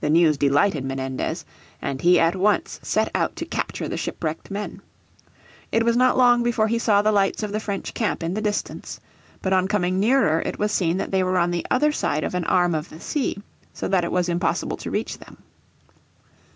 The news delighted Menendez, and he at once set out to capture the shipwrecked men. It was not long before he saw the lights of the French camp in the distance. But on coming nearer it was seen that they were on the other side of an arm of the sea, so that it was impossible to reach them.